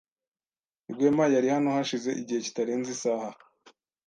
Rwema yari hano hashize igihe kitarenze isaha.